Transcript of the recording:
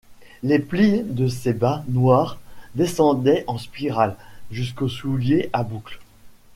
Les plis de ses bas noirs descendaient en spirale jusqu'aux souliers à boucles.